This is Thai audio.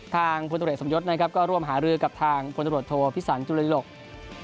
ทางพลตรวจสมยศก็ร่วมหารือกับทางพลตรวจโทพิศัลย์จุฬิรกษ์